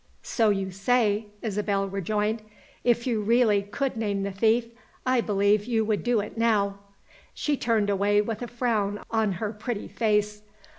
"So you say," Isabel rejoined. "If you really could name the thief, I believe you would do it now." She turned away with a frown on her pretty face.